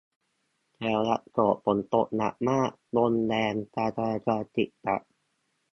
แถวอโศก ฝนตกหนักมาก ลมแรง การจราจรติดขัด